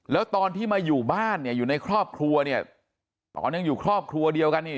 แล้วตอนที่มาอยู่บ้านเนี่ยอยู่ในครอบครัวเนี่ยตอนยังอยู่ครอบครัวเดียวกันนี่